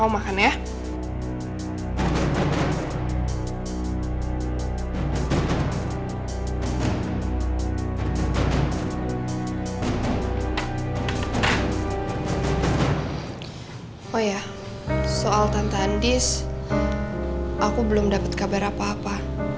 oh iya soal tante andis aku belum dapet kabar apa apa